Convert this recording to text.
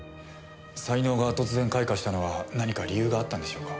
才能が突然開花したのは何か理由があったんでしょうか？